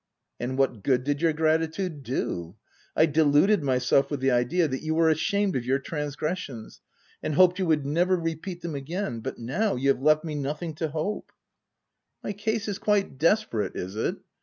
" And what good did your gratitude do ? I deluded myself with the idea that you were ashamed of your transgressions, and hoped you would never repeat them again ; but now, you have left me nothing to hope f' 1 vol. n. K ] 94 THE TENANT " My case is quite desperate, is it